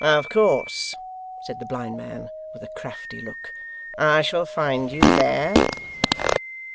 'Of course,' said the blind man, with a crafty look, 'I shall find you there?